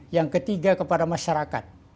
yang ketiga kepada masyarakat